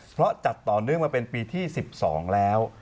เพราะจัดต่อเนื่องมาเป็นปีที่๑๒แล้ว